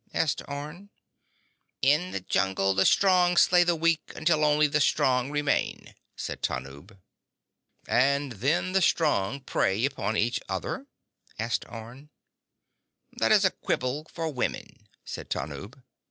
asked Orne. "In the jungle the strong slay the weak until only the strong remain," said Tanub. "And then the strong prey upon each other?" asked Orne. "That is a quibble for women," said Tanub.